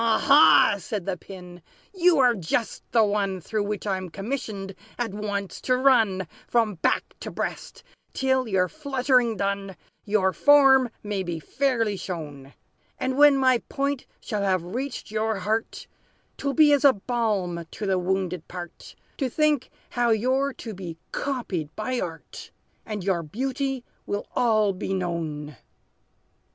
"Ha, ha!" said the Pin, "you are just the one Through which I'm commissioned, at once, to run From back to breast, till, your fluttering done, Your form may be fairly shown. And when my point shall have reached your heart, 'T will be as a balm to the wounded part, To think how you're to be copied by art, And your beauty will all be known!"